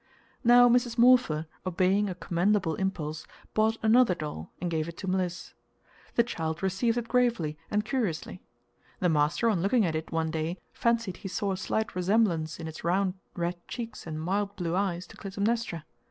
Now Mrs. Morpher, obeying a commendable impulse, bought another doll and gave it to Mliss. The child received it gravely and curiously. The master on looking at it one day fancied he saw a slight resemblance in its round red cheeks and mild blue eyes to Clytemnestra.